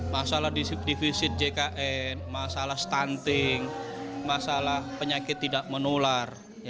masalah divisit jkn masalah stunting masalah penyakit tidak menular